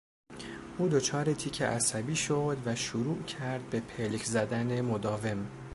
او دچار تیک عصبی شد و شروع کرد به پلک زدن مداوم.